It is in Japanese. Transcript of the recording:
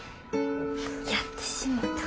やってしもた。